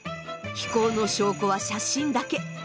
飛行の証拠は写真だけ。